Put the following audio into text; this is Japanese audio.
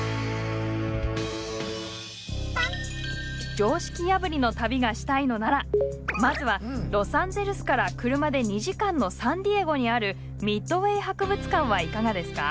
常識破りの旅がしたいのならまずはロサンゼルスから車で２時間のサンディエゴにあるミッドウェイ博物館はいかがですか？